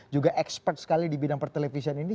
juga expert sekali di bidang pertelevisian ini